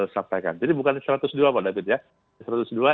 sampaikan jadi bukan satu ratus dua pak david ya